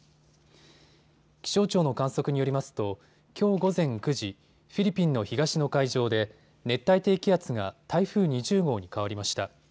気象庁の観測によりますときょう午前９時、フィリピンの東の海上で熱帯低気圧が台風２０号に変わりました。